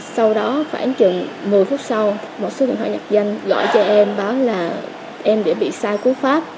sau đó khoảng chừng một mươi phút sau một số điện thoại nhập danh gọi cho em báo là em đã bị sai cú pháp